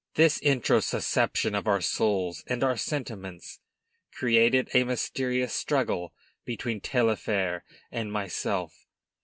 This introsusception of our souls and our sentiments created a mysterious struggle between Taillefer and myself.